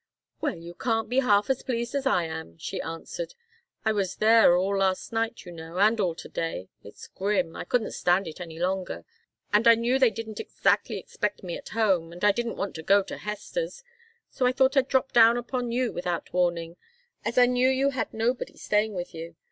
"Well, you can't be half as pleased as I am," she answered. "I was there all last night, you know, and all to day. It's grim. I couldn't stand it any longer. And I knew they didn't exactly expect me at home and I didn't want to go to Hester's, so I thought I'd drop down upon you without warning, as I knew you had nobody staying with you.